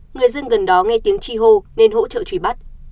người dân gần đó nghe tiếng chi hô nên hỗ trợ truy bắt